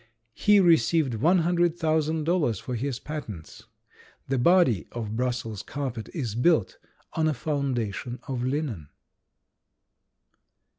He received one hundred thousand dollars for his patents. The body of Brussels carpet is built on a foundation of linen.